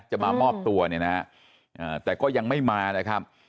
จะมามอบตัวเนี่ยนะฮะแต่ก็ยังไม่มานะครับ